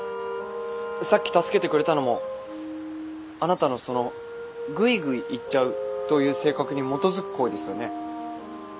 さっき助けてくれたのもあなたのその「グイグイ行っちゃう」という性格に基づく行為ですよね？